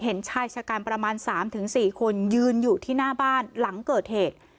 เห็นชายชะกันประมาณ๓๔คนยืนอยู่ที่หน้าบ้านหลังเกิดเหตุ